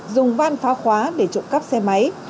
dùng van phá khóa để trộm cắp xe máy